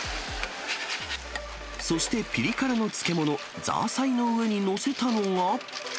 そしてピリ辛の漬物、ザーサイの上に載せたのは。